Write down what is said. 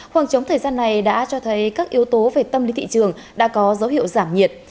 khoảng trống thời gian này đã cho thấy các yếu tố về tâm lý thị trường đã có dấu hiệu giảm nhiệt